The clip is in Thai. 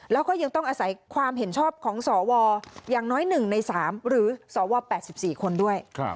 แล้วก็ยังต้องอาศัยความเห็นชอบของสวอย่างน้อย๑ใน๓หรือสว๘๔คนด้วย